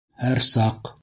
Һәр саҡ!